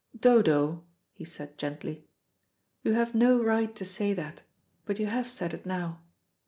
"Dodo," he said gently, "you have no right to say that, but you have said it now.